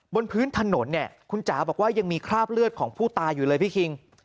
บนพื้นถนนเนี่ยคุณจ๋าบอกว่ายังมีคราบเลือดของผู้ตายอยู่เลยพี่คิง